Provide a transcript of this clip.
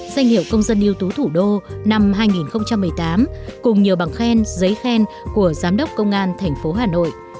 danh hiệu công dân yêu tú thủ đô năm hai nghìn một mươi tám cùng nhiều bằng khen giấy khen của giám đốc công an tp hà nội